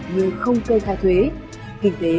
như không cây khai thuế